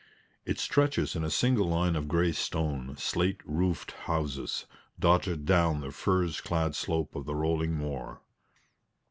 It stretches in a single line of grey stone, slate roofed houses, dotted down the furze clad slope of the rolling moor.